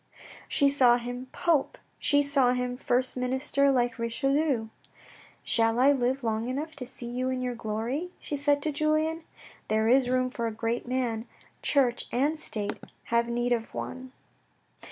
She saw him Pope; she saw him first minister like Richelieu. " Shall I live long enough to see you in your glory ?" she said to Julien. " There is room for a great man ; church and state have need of one.'